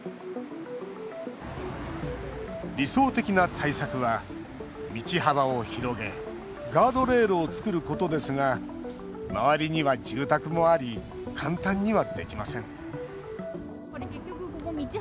理想的な対策は、道幅を広げガードレールを作ることですが周りには住宅もあり簡単にはできません。